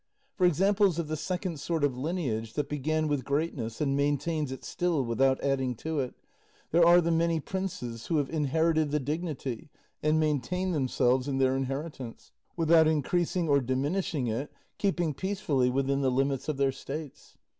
For examples of the second sort of lineage, that began with greatness and maintains it still without adding to it, there are the many princes who have inherited the dignity, and maintain themselves in their inheritance, without increasing or diminishing it, keeping peacefully within the limits of their states.